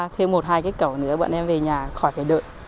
thêm một hai cái cầu nữa bọn em về nhà khỏi phải đợi